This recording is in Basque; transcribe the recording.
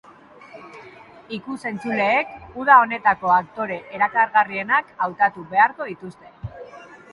Ikus-entzuleek uda honetako aktore erakargarrienak hautatu beharko dituzte.